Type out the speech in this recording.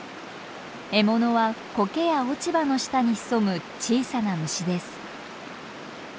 獲物はコケや落ち葉の下に潜む小さな虫です。